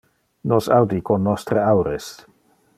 Nos audi con nostre aures.